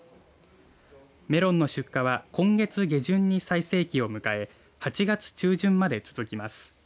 メロンの出荷は今月下旬に最盛期を迎え８月中旬まで続きます。